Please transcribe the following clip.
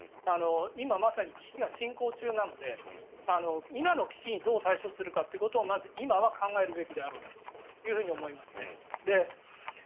今まさに危機が進行中なので今の危機にどう対処するかということをまず今は考えるべきであると思いますね。